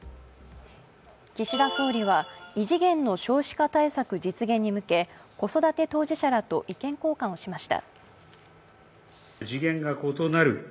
岸田総理は異次元の少子化対策実現に向け子育て当事者らと意見交換をしました。